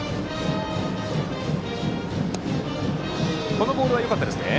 今のボールはよかったですね。